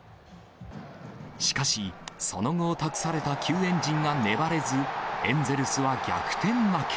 しかし、その後を託された救援陣が粘れず、エンゼルスは逆転負け。